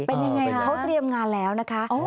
เป็นยังไงเขาเตรียมงานแล้วนะคะ